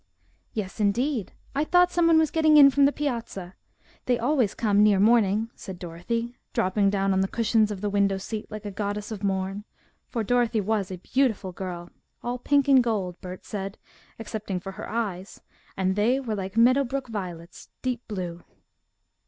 "Yes, indeed, I thought someone was getting in from the piazza. They always come near morning," said Dorothy, dropping down on the cushions of the window seat like a goddess of morn, for Dorothy was a beautiful girl, all pink and gold, Bert said, excepting for her eyes, and they were like Meadow Brook violets, deep blue.